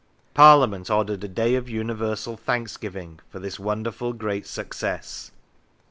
Parliament ordered a day of universal thanksgiving for this " wonderful great success."